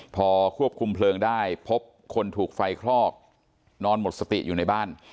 พอควบคุมเพลิงได้พบคนถูกไฟคลอกนอนหมดสติอยู่ในบ้าน